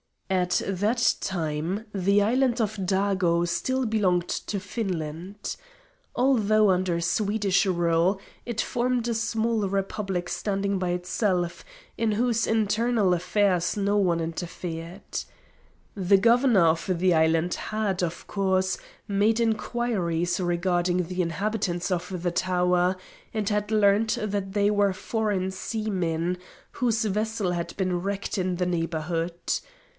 At that time the island of Dago still belonged to Finland. Although under Swedish rule, it formed a small republic standing by itself, in whose internal affairs no one interfered. The governor of the island had, of course, made inquiries regarding the inhabitants of the tower, and had learnt that they were foreign seamen, whose vessel had been wrecked in the neighbourhood.